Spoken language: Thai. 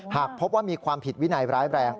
หากพบว่ามีความผิดวินัยร้ายแรง